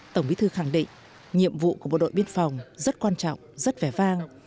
tổng bí thư khẳng định nhiệm vụ của bộ đội biên phòng rất quan trọng rất vẻ vang